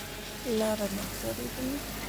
لاره نه ښکارېدله.